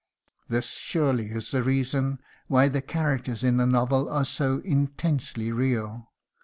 This surely is the reason why the characters in the novel are so intensely real.